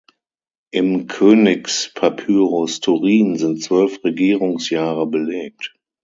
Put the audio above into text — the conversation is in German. Im Königspapyrus Turin sind zwölf Regierungsjahre belegt.